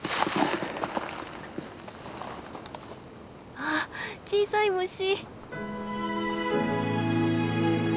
あ小さい虫！